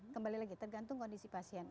kembali lagi tergantung kondisi pasien